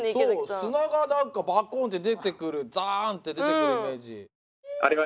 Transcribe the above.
そう砂が何かバコンって出てくるザって出てくるイメージ。